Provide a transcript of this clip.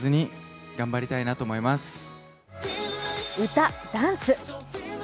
歌、ダンス。